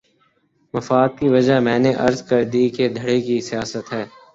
مفاد کی وجہ میں نے عرض کر دی کہ دھڑے کی سیاست ہے۔